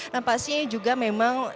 nah pastinya juga memang